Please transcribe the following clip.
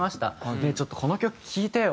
「ねえちょっとこの曲聴いてよ。